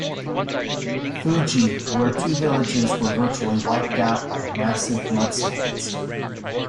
Fuji where two villages were virtually wiped out by massive mudslides.